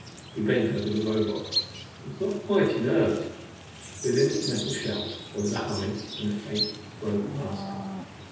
We bent over the Robot. It was not quite inert. Within its metal shell there was a humming and a faint, broken rasping.